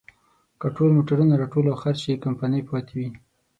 که ټول موټرونه راټول او خرڅ شي، کمپنۍ پاتې وي.